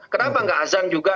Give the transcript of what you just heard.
kenapa nggak azan juga